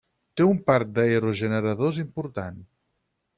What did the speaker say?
Té un parc d'aerogeneradors important.